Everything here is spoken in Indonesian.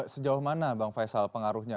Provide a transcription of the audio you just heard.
sejauh mana bang faisal pengaruhnya